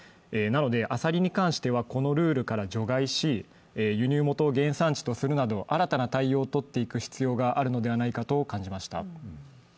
なので、アサリに関してはこのルールから除外し輸入元を原産地とするなど新たな対応をとっていく必要があるのではないかと感じました。